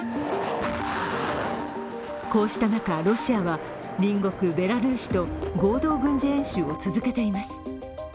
こうした中、ロシアは隣国ベラルーシと合同軍事演習を続けています。